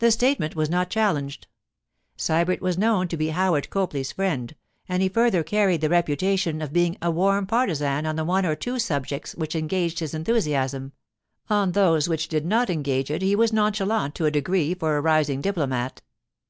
The statement was not challenged. Sybert was known to be Howard Copley's friend, and he further carried the reputation of being a warm partizan on the one or two subjects which engaged his enthusiasm—on those which did not engage it he was nonchalant to a degree for a rising diplomat.